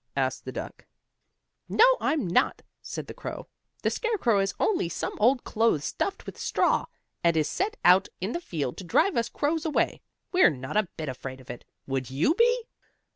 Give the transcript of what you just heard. asked the duck. "No; I'm not," said the crow. "The scarecrow is only some old clothes stuffed with straw, and it is set out in the field to drive us crows away. We're not a bit afraid of it. Would you be?"